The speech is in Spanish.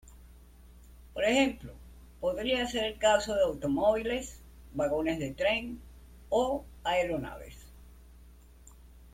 Por ejemplo, podría ser el caso de automóviles, vagones de tren, o aeronaves.